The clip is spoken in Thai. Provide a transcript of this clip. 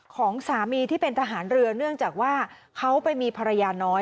ของสามีที่เป็นทหารเรือเนื่องจากว่าเขาไปมีภรรยาน้อย